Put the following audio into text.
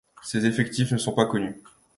Ses effectifs ne sont pas connus.